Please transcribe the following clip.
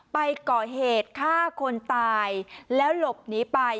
ไปก่อเหตุฆ่าคนตายแล้วหลบหนีไป